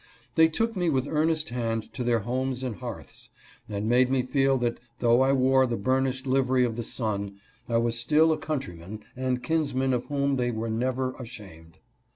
They took me with earnest hand to their homes and hearths, and made me feel that though I wore the burnished livery of the sun I was still a coun tryman and kinsman of whom they were never ashamed.